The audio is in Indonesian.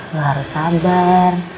lo harus sabar